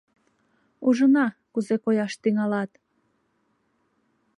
Ужына, кузе кояш тӱҥалат.